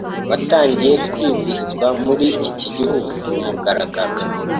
watangiye kwizihizwa muri iki gihugu ku mugaragaro,